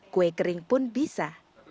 kue kering pun bisa